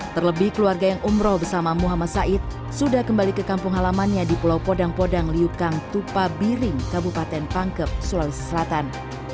terlebih keluarga yang umroh bersama muhammad said sudah kembali ke kampung halamannya di pulau podang podang liukang tupabiring kabupaten pangkep sulawesi selatan